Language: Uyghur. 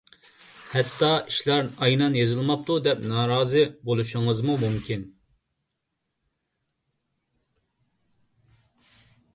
ھەتتا ئىشلار ئەينەن يېزىلماپتۇ دەپ نارازى بولۇشىڭىزمۇ مۇمكىن.